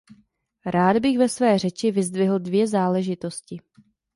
Rád bych ve své řeči vyzdvihl dvě záležitosti.